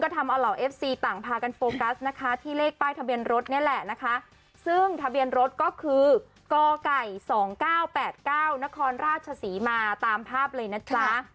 ทะเบียนรถก็คือก๒๙๘๙นครราชศรีมาตามภาพเลยนะจ๊ะ